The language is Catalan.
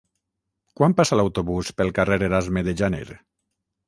Quan passa l'autobús pel carrer Erasme de Janer?